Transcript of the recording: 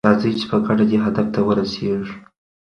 راځئ چې په ګډه دې هدف ته ورسیږو.